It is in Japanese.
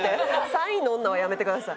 ３位の女はやめてください。